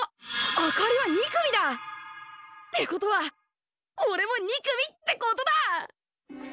あかりは２組だ！ってことはおれも２組ってことだ！